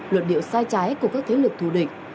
luận điệu sai trái của các thế lực thù địch